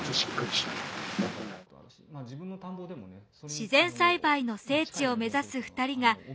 自然栽培の聖地を目指す２人が伝えたい事。